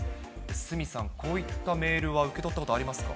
鷲見さん、こういったメールは受け取ったことありますか。